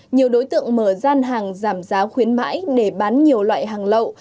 nhiều đối tượng mở gian hàng giảm giá khuyến mãi để bán nhiều loại hàng lậu